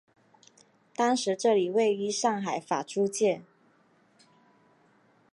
当时这里位于上海法租界。